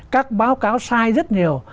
các báo cáo sai rất nhiều